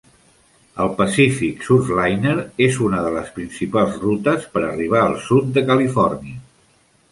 El "Pacific Surfliner" és una de les principals rutes per arribar al sud de Califòrnia.